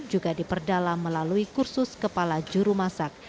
juga diperdalam melalui kursus kepala juru masak